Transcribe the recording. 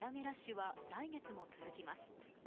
値上げラッシュは来月も続きます。